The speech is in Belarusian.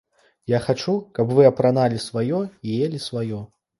Я хачу, каб вы апраналі сваё і елі сваё.